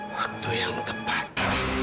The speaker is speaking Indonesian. waktu yang tepat